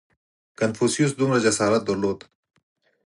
• کنفوسیوس دومره جسارت درلود.